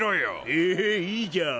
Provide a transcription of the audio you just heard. えーいいじゃん。